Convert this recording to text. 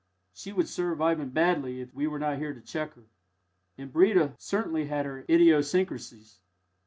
She would serve Ivan badly if we were not here to check her." And Breda certainly had her idiosyncrasies.